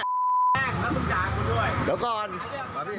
ไอ้แล้วต้องจากกูด้วย